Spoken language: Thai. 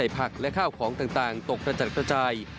ผักและข้าวของต่างตกกระจัดกระจาย